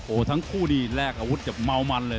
โอ้โหทั้งคู่นี่แลกอาวุธกับเมามันเลย